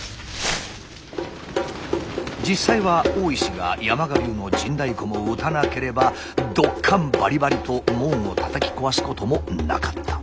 実際は大石が山鹿流の陣太鼓も打たなければどっかんバリバリと門を叩き壊すこともなかった。